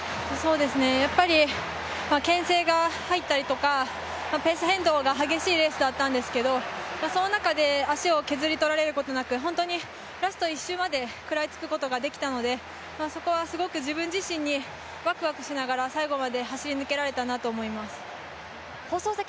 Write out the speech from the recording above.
やっぱりけん制が入ったりとか、ペース変動が激しいレースだったんですけどその中で足を削り取られることなく、本当にラスト１周まで食らいつくことができたので、そこはすごく自分自身にワクワクしながら、最後まで走り抜けられたなと思います。